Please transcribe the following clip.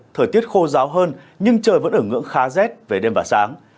thời tiết khô ráo hơn nhưng trời vẫn ở ngưỡng khá rét về đêm và sáng